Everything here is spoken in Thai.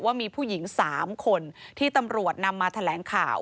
ว่ามีผู้หญิง๓คนที่ตำรวจนำมาแถลงข่าว